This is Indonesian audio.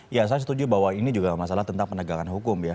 ya saya setuju bahwa ini juga masalah tentang penegakan hukum ya